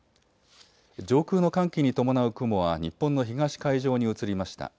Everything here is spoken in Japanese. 上空の寒気に伴う雲は日本の東海上に移りました。